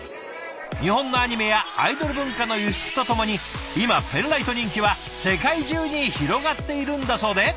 日本のアニメやアイドル文化の輸出とともに今ペンライト人気は世界中に広がっているんだそうで。